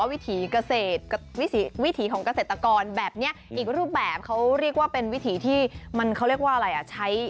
วิถีของเกษตรกรแบบนี้อีกรูปแบบเขาเรียกว่าเป็นวิถีที่มันเขาเรียกว่าอะไร